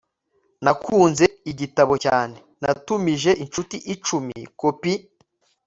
nakunze igitabo cyane natumije inshuti icumi kopi